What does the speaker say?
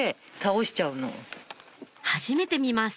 はじめて見ます